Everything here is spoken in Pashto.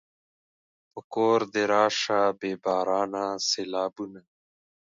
په کور دې راشه بې بارانه سېلابونه